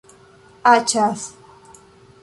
Aĉas.